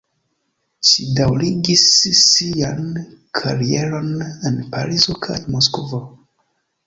Ŝi daŭrigis sian karieron en Parizo kaj Moskvo.